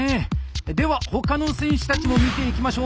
では他の選手たちも見ていきましょう。